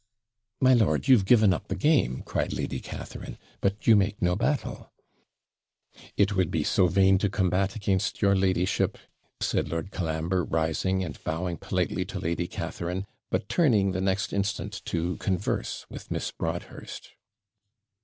'My lord, you've given up the game,' cried Lady Catharine; 'but you make no battle.' 'It would be so vain to combat against your ladyship,' said Lord Colambre, rising, and bowing politely to Lady Catharine, but turning the next instant to converse with Miss Broadhurst.